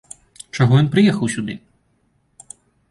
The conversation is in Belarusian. Чаго ён прыехаў сюды?